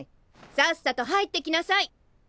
さっさと入ってきなさい！